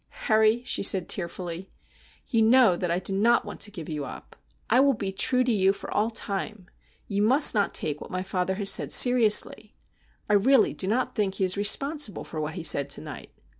' Harry,' she said tearfully, 'you know that I do not want to give you up. I will be true to you for all time. You must not take what my father has said seriously. I really do not think he is responsible for what he said to night.